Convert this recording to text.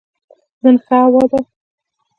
نن ښه هوا ده